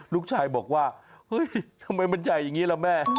ลูกชายบอกว่าเฮ้ยทำไมมันใหญ่อย่างนี้ล่ะแม่